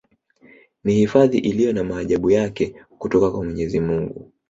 Ni hifadhi iliyo na maajabu yake kutoka kwa mwenyezi Mungu